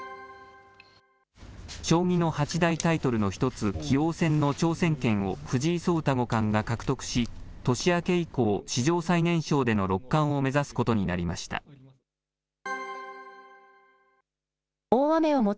将棋の八大タイトルの１つ、棋王戦の挑戦権を藤井聡太五冠が獲得し、年明け以降、史上最年少での六冠を目指すことになりました。